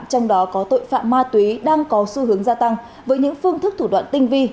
trong đó có tội phạm ma túy đang có xu hướng gia tăng với những phương thức thủ đoạn tinh vi